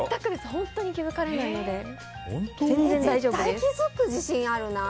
本当に気づかれないので絶対気づく自信あるな。